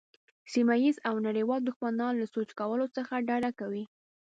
سیمه ییز او نړیوال دښمنان له سوچ کولو څخه ډډه کوي.